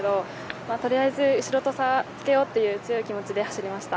取りあえず後ろと差をつけようという強い気持ちで走りました。